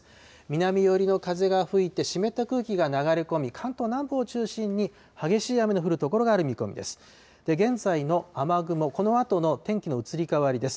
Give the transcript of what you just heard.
南寄りの風が吹いて湿った空気が流れ込み、関東南部を中心に激しい雨の降る所がある見込みです。